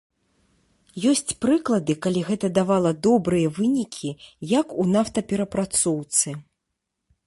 Ёсць прыклады, калі гэта давала добрыя вынікі, як у нафтаперапрацоўцы.